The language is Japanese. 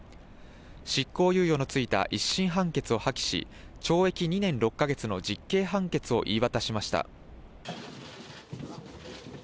執行猶予の付いた１審判決を破棄し、懲役２年６か月の実刑判決を言い渡しました。